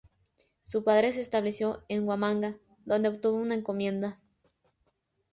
Su padre se estableció en Huamanga, donde obtuvo una encomienda.